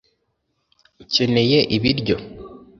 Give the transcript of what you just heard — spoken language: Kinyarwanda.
ukeneye ibiryo